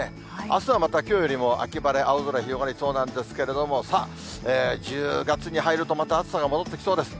あすはまたきょうよりも秋晴れ、青空広がりそうなんですけれども、さあ、１０月に入るとまた暑さが戻ってきそうです。